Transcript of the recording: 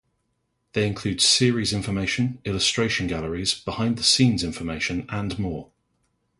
They include series information, illustration galleries, behind-the-scenes information, and more.